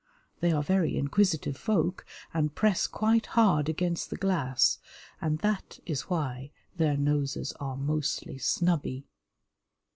They are very inquisitive folk, and press quite hard against the glass, and that is why their noses are mostly snubby.